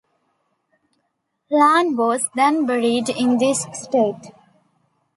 Lanne was then buried in this state.